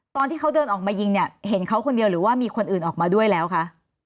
ตอนที่เขาเดินออกมายิงเนี่ยเห็นเขาคนเดียวหรือว่ามีคนอื่นออกมาด้วยแล้วคะ